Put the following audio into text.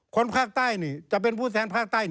คนภาคใต้จะเป็นผู้แทนภาคใต้